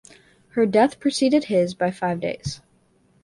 Her death preceded his by five days.